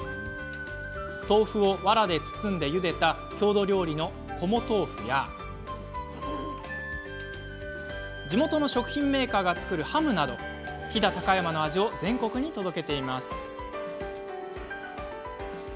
豆腐をわらで包んでゆでた郷土料理の「こもとうふ」や地元の食品メーカーが作るハムなど飛騨高山の味を全国に届けています。